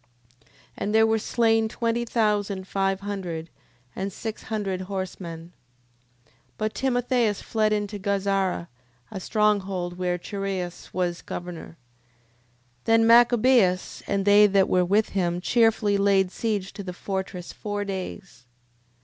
10:31. And there were slain twenty thousand five hundred, and six hundred horsemen. 10:32. But Timotheus fled into Gazara, a strong hold where Chereas was governor. 10:33. Then Machabeus, and they that were with him cheerfully laid siege to the fortress four days.